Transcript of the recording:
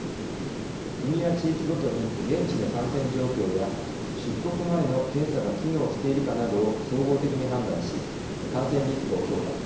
国や地域ごとに現地の感染状況や出国前の検査が機能しているかなどを総合的に判断し感染リスクを評価。